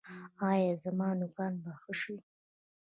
ایا زما نوکان به ښه شي؟